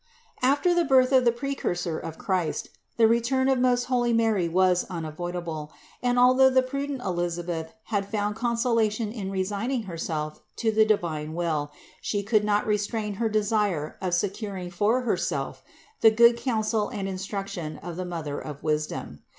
283. After the birth of the Precursor of Christ the return of most holy Mary was unavoidable ; and although the prudent Elisabeth had found consolation in resign ing herself to the divine will, she could not restrain her desire of securing for herself the good counsel and instruction of the Mother of wisdom.